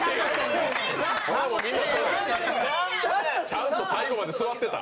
ちゃんと最後まで座ってた？